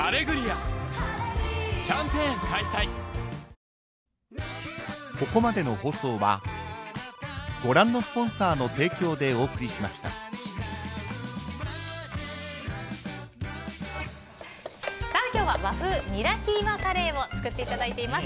「ビオレ」さあ、今日は和風ニラキーマカレーを作っていただいています。